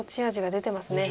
出てます。